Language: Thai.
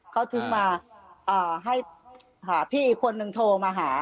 เขาถึงมาให้พี่อีกคนนึงโทรมาหา